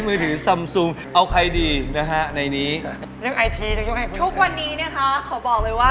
เรื่องนี้เนี่ยคะทุกวันนี้นะคะขอบอกเลยว่า